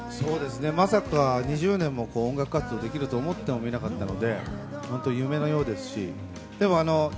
まさか２０年も音楽活動できると思ってもみなかったので、本当に夢のようですし。